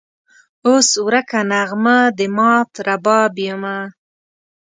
اوس ورکه نغمه د مات رباب یمه